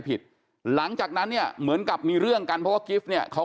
หลังจากนั้นเนี่ยเหมือนกับมีเรื่องกันเพราะว่ากิฟต์เนี่ยเขา